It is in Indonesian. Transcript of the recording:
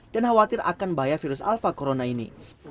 dan khawatir akan bahaya virus alfa corona ini